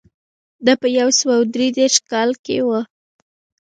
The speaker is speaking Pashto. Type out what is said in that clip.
دا په یو سوه درې دېرش کال کې و